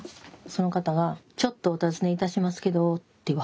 その方が「ちょっとお尋ねいたしますけど」って言わはんのね。